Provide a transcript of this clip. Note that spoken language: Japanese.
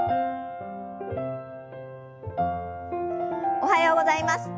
おはようございます。